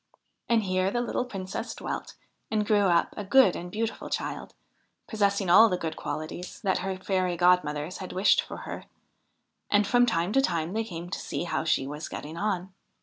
And here the little Princess dwelt and grew up a good and beautiful child, possessing all the good qualities that her fairy godmothers had wished for her ; and from time to time they came to see how she was getting on.